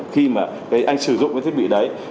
khi mà anh sử dụng cái thiết bị đấy